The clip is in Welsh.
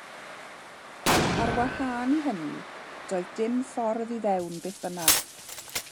Ar wahân i hynny, doedd dim ffordd i fewn beth bynnag.